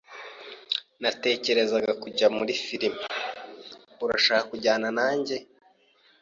Natekerezaga kujya muri firime. Urashaka kujyana nanjye?